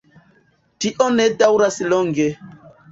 Tio ne daŭras longe.